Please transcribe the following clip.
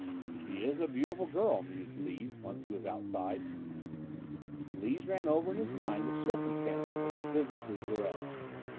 "She is a beautiful girl," mused Lees once he was outside. Lees ran over in his mind the circumstances of his visit to Jouret.